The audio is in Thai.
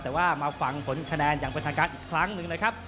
แต่ว่ามาฟังผลคะแนนอย่างเป็นทางการอีกครั้งหนึ่งนะครับ